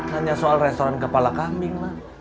hanya soal restoran kepala kambing lah